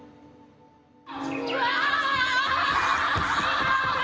・うわ！